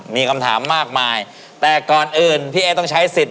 มีคำถามมากมายแต่ก่อนอื่นพี่เอ๊ต้องใช้สิทธิ